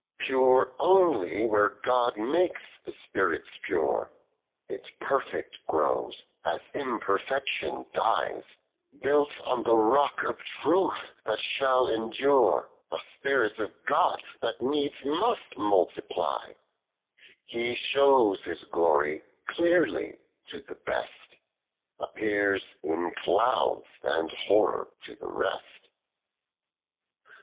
48. Pure oncly, whero God makes the spirits pure ; It perfect grows, as imperfection dies : Built on the rock of truth, that shall endure ; A spirit of God, that needs must multiply ; He shews His Glory, cleerly to the best, Appears in clouds and horror to the rest.